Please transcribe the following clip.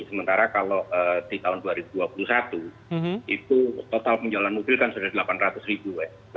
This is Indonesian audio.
sementara kalau di tahun dua ribu dua puluh satu itu total penjualan mobil kan sudah delapan ratus ribu